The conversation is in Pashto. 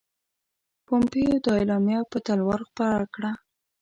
پومپیو دا اعلامیه په تلوار خپره کړه.